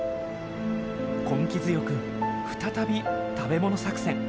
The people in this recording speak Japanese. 根気強く再び食べ物作戦。